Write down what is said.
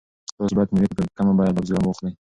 تاسو باید مېوې په کمه بیه له بزګرانو واخلئ.